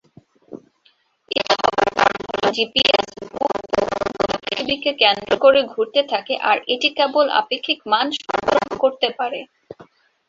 এটা হবার কারণ হল জিপিএস ভূ-উপগ্রহগুলো পৃথিবীকে কেন্দ্র করে ঘুরতে থাকে আর এটি কেবল আপেক্ষিক মান সরবরাহ করতে পারে।